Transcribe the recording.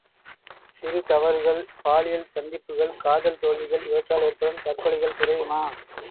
சிறு தவறுகள், பாலியல் சந்திப்புகள், காதல் தோல்விகள் இவற்றால் ஏற்படும் தற்கொலைகள் குறையுமா?